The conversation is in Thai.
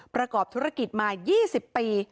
ประกอบธุรกิจมา๒๐ปี